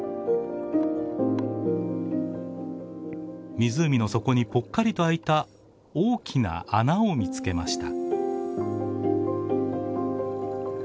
湖の底にぽっかりと開いた大きな穴を見つけました。